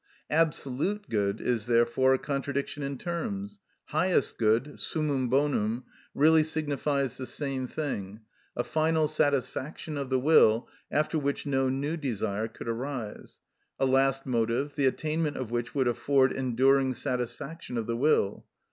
Absolute good is, therefore, a contradiction in terms; highest good, summum bonum, really signifies the same thing—a final satisfaction of the will, after which no new desire could arise,—a last motive, the attainment of which would afford enduring satisfaction of the will.